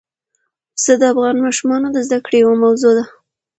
پسه د افغان ماشومانو د زده کړې یوه موضوع ده.